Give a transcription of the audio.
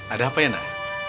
ada apa ya nak